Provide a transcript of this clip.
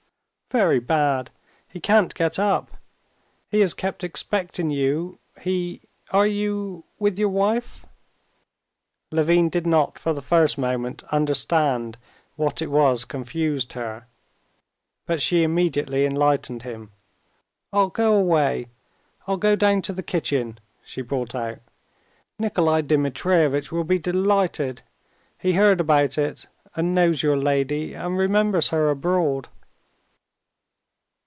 "Very bad. He can't get up. He has kept expecting you. He.... Are you ... with your wife?" Levin did not for the first moment understand what it was confused her, but she immediately enlightened him. "I'll go away. I'll go down to the kitchen," she brought out. "Nikolay Dmitrievitch will be delighted. He heard about it, and knows your lady, and remembers her abroad."